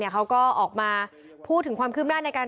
เขาก็ออกมาพูดถึงความคืบหน้าในการ